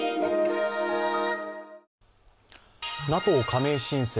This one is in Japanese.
ＮＡＴＯ加盟申請